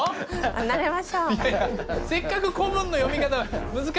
離れましょう。